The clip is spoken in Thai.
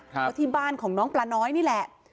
เพราะที่บ้านของน้องปลาน้อยนี่แหละ